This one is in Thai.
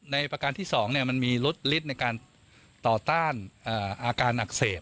ประการที่๒มันมีลดฤทธิ์ในการต่อต้านอาการอักเสบ